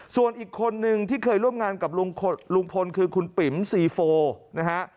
ส่วนอีกคนนึงที่เคยร่วมงานกับลุงพลคือคุณปิ๋มซีโฟนะฮะ